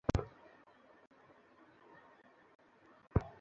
তবে পাকিস্তানকে প্রথম দুই ম্যাচেই হারিয়ে ব্যবধান এরই মধ্যে কমিয়ে ফেলেছেন মাশরাফিরা।